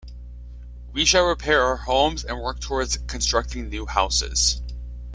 We shall repair our homes and work towards constructing new houses.